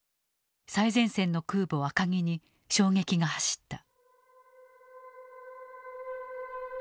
最前線の空母赤城に衝撃が走った。